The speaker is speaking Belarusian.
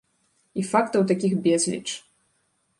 І фактаў такіх безліч.